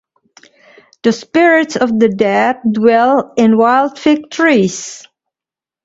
The spirits of the dead dwell in wild fig trees.